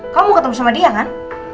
kamu mau ketemu sama dia kan